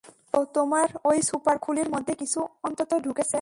তো, তোমার ওই সুপার খুলির মধ্যে কিছু অন্তত ঢুকেছে।